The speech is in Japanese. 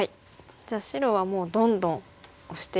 じゃあ白はもうどんどんオシていきますか。